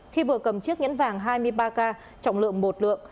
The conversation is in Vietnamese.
khi vừa cầm chiếc nhẫn vàng hai mươi ba k trọng lượng một lượng